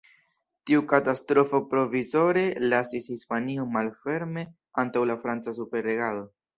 Tiu katastrofo provizore lasis Hispanion malferme antaŭ la franca superregado.